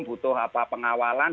butuh apa pengawalan